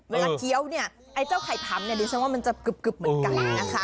เคี้ยวเนี่ยไอ้เจ้าไข่ผำเนี่ยดิฉันว่ามันจะกึบเหมือนกันนะคะ